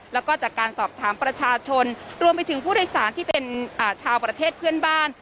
แล้วก็จากการสอบถามประชาชนรวมไปถึงผู้โดยสารที่เป็นชาวประเทศเพื่อนบ้าน